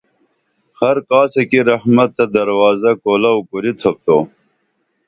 ہر کاسہ کی رحمت تہ درازہ کولو کُریتُھوپ تو